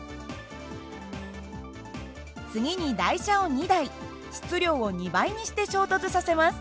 次に台車を２台質量を２倍にして衝突させます。